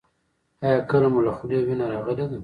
ایا کله مو له خولې وینه راغلې ده؟